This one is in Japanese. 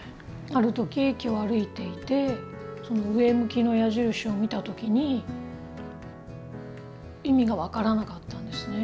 ある時駅を歩いていて上向きの矢印を見た時に意味が分からなかったんですね。